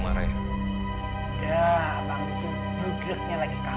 bang marah ya